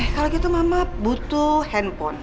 kalau gitu mama butuh handphone